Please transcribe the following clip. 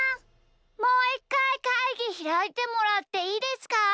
もういっかいかいぎひらいてもらっていいですか？